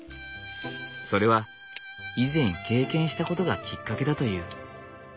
それは以前経験したことがきっかけだという。